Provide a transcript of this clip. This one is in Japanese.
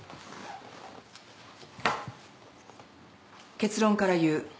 結論から言う。